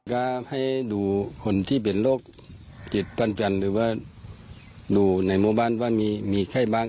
ก็ให้ดูคนที่เป็นโรคจิตปันจันทร์หรือว่าดูในหมู่บ้านว่ามีไข้บ้าง